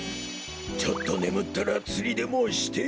ちょっとねむったらつりでもして。